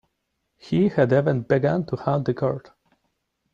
He had even begun to haunt the court.